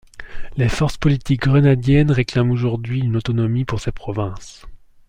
Les forces politiques grenadienes réclament aujourd'hui une autonomie pour ces provinces.